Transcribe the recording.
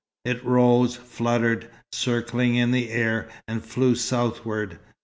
It rose, fluttered, circling in the air, and flew southward.